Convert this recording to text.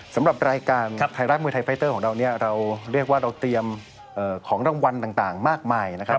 สำหรับรายการไทยรัฐมวยไทยไฟเตอร์ของเราเนี่ยเราเรียกว่าเราเตรียมของรางวัลต่างมากมายนะครับ